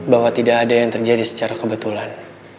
bahwa tidak ada yang terjadi secara kebetulan